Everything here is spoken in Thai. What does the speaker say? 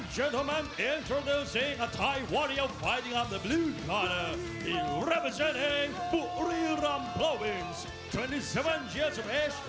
คุณผู้หญิงคุณผู้หญิง